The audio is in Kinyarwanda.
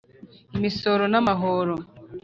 imisoro n amahoro